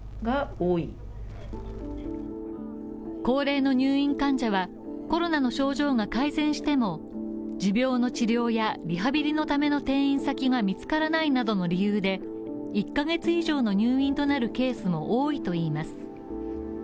高齢の入院患者は、コロナの症状が改善しても持病の治療やリハビリのための転院先が見つからないなどの理由で１カ月以上の入院となるケースも多いといいます。